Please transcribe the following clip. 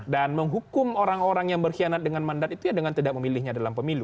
dan menghukum orang orang yang berkhianat dengan mandat itu ya dengan tidak memilihnya dalam pemilu